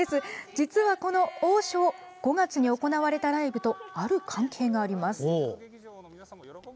実は、この「王将」５月に行われたライブとある関係があります。